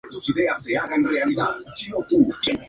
En la tarde se celebra la postula.